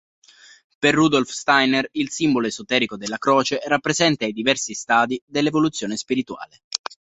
Per Rudolf Steiner il simbolo esoterico della croce rappresenta i diversi stadi dell’evoluzione spirituale.